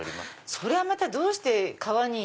そりゃまたどうして革に。